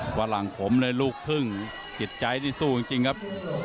ฝรั่งผมเลยลูกครึ่งจิตใจที่สู้จริงครับ